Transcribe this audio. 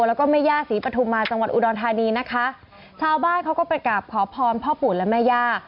แล้วก็แม่ย่าศรีปฐุมมาจังหวัดอุดรธานีนะคะชาวบ้านเขาก็ไปกราบขอพรพ่อปู่และแม่ย่า